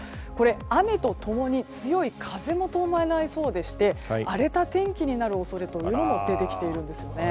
雨と共に強い風も伴いそうでして荒れた天気になる恐れが出てきているんです。